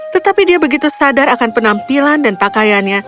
tetapi dia begitu sadar akan penampilan dan pakaiannya